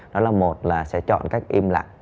đó là một là sẽ chọn cách im lặng